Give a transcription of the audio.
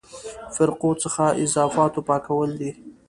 فرقو څخه اضافاتو پاکول دي.